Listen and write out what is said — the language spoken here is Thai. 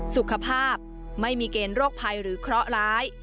สุขภาพไม่มีเกณฑ์โรคภัยหรือเคราะห์ร้าย